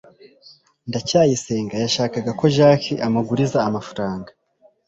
ndacyayisenga yashakaga ko jaki amuguriza amafaranga